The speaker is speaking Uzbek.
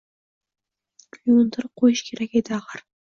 Yuvintirib qo`yish kerak edi, axir